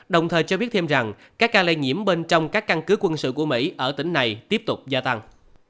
đồng thời cho biết thêm rằng các ca lây nhiễm bên trong các căn cứ quân sự của mỹ ở tỉnh này tiếp tục gia tăng